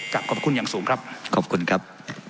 ขอบคุณอย่างสูงครับขอบคุณครับ